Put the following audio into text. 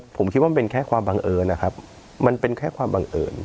ผมคิดว่ามันเป็นแค่ความบังเอิญนะครับมันเป็นแค่ความบังเอิญ